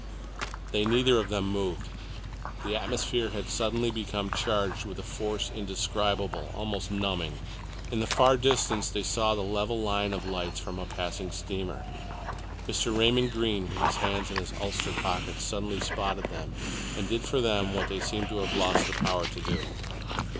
They neither of them moved. The atmosphere had suddenly become charged with a force indescribable, almost numbing. In the far distance they saw the level line of lights from a passing steamer. Mr. Raymond Greene, with his hands in his ulster pockets, suddenly spotted them and did for them what they seemed to have lost the power to do.